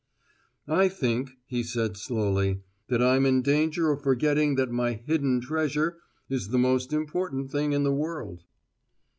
"I think," he said slowly, "that I'm in danger of forgetting that my `hidden treasure' is the most important thing in the world."